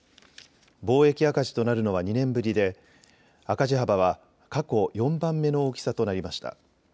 貿易赤字となるのは２年ぶりで赤字幅は過去４番目の大きさとなりました。